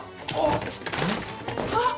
あっ！